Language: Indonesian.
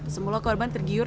semula korban tergiur